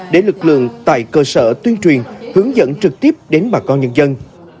để lực lượng tại cơ sở tuyên truyền hướng dẫn trực tiếp đến bà con nhân dân